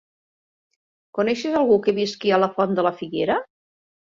Coneixes algú que visqui a la Font de la Figuera?